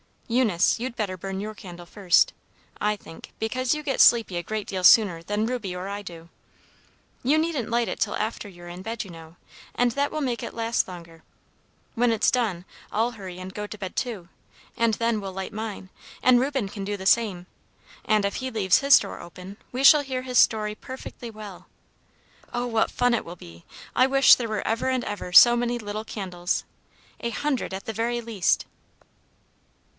Eunice, you'd better burn your candle first, I think, because you get sleepy a great deal sooner than Reuby or I do. You needn't light it till after you're in bed, you know, and that will make it last longer. When it's done, I'll hurry and go to bed too, and then we'll light mine; and Reuben can do the same, and if he leaves his door open, we shall hear his story perfectly well. Oh, what fun it will be! I wish there were ever and ever so many little candles, a hundred, at the very least!"